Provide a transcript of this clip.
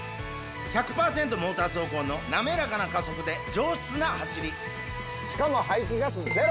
モーター走行の滑らかな加速で上質な走りしかも。